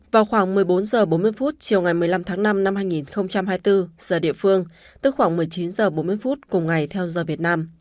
vào khoảng một mươi bốn h bốn mươi chiều ngày một mươi năm tháng năm năm hai nghìn hai mươi bốn giờ địa phương tức khoảng một mươi chín h bốn mươi phút cùng ngày theo giờ việt nam